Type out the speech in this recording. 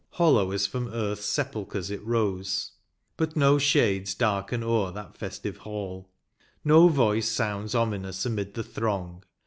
Hollow as from earth's sepulchres it rose. But no shades darken o'er that festive hall. No voice sounds ominous amid the throng.